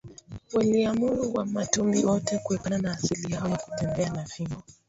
waliamuru Wamatumbi wote kuepukana na asili yao ya kutembea na fimbo